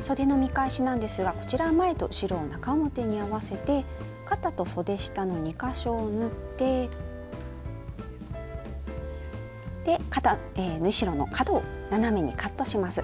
そでの見返しなんですがこちらは前と後ろを中表に合わせて肩とそで下の２か所を縫って縫い代の角を斜めにカットします。